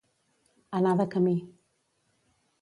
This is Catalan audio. Anar de camí.